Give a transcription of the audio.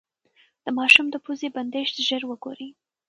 د ماشوم د پوزې بندښت ژر وګورئ.